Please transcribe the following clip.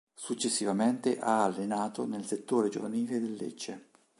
Successivamente ha allenato nel settore giovanile del Lecce.